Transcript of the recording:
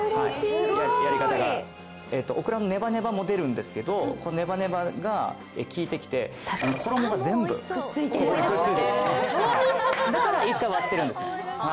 すごーいええとオクラのネバネバも出るんですけどこのネバネバがきいてきて衣が全部ここにくっつくくっついてるだから１回割ってるんですよ